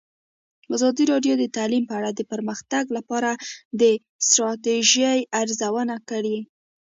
ازادي راډیو د تعلیم په اړه د پرمختګ لپاره د ستراتیژۍ ارزونه کړې.